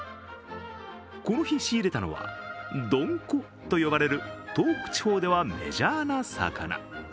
この日仕入れたのは、ドンコと呼ばれる東北地方ではメジャーな魚。